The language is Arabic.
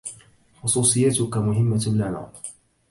خصوصيتك مهمة لنا.